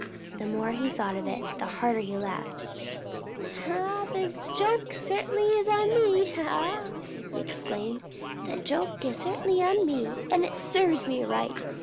The more he thought of it, the harder he laughed. "The joke certainly is on me!" he exclaimed. "The joke certainly is on me, and it served me right.